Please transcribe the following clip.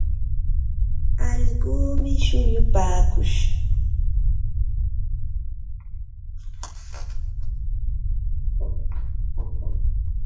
Allquumi shullupaakush.